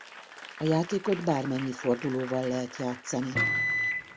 A játékot bármennyi fordulóval lehet játszani.